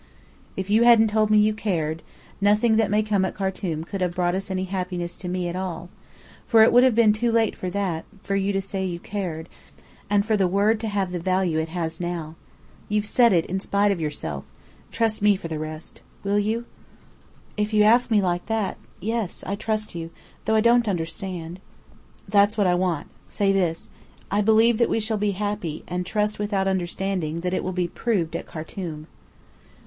"If you hadn't told me you cared, nothing that may come at Khartum could have brought any happiness to me at all. For it would have been too late after that, for you to say you cared and for the word to have the value it has now. You've said it in spite of yourself. Trust me for the rest. Will you?" "If you ask me like that yes. I trust you. Though I don't understand." "That's what I want. Say this. 'I believe that we shall be happy; and I trust without understanding, that it will be proved at Khartum.'"